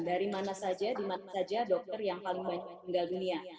dari mana saja di mana saja dokter yang paling banyak meninggal dunia